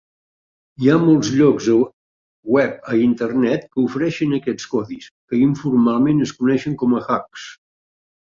Hi ha molts llocs web a internet que ofereixen aquests codis, que informalment es coneixen com a "hacks".